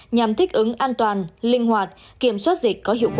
nhằm thích ứng an toàn linh hoạt kiểm soát dịch có hiệu quả